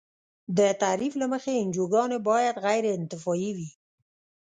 د تعریف له مخې انجوګانې باید غیر انتفاعي وي.